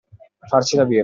Farci la birra.